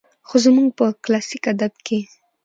خو زموږ په کلاسيک ادب کې